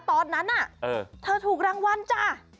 ตอนนั้นน่ะเธอถูกรางวัลจ้ะ